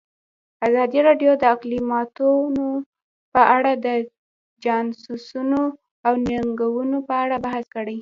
ازادي راډیو د اقلیتونه په اړه د چانسونو او ننګونو په اړه بحث کړی.